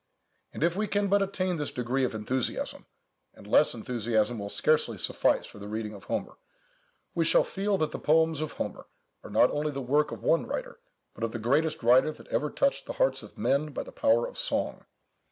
And if we can but attain this degree of enthusiasm (and less enthusiasm will scarcely suffice for the reading of Homer), we shall feel that the poems of Homer are not only the work of one writer, but of the greatest writer that ever touched the hearts of men by the power of song.